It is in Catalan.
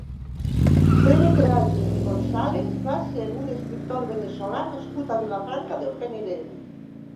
Pere Grases i Gonzàlez va ser un escriptor veneçolà nascut a Vilafranca del Penedès.